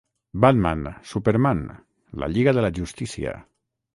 Batman, Superman, La Lliga de la Justícia.